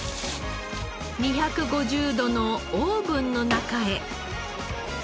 ２５０度のオーブンの中へ。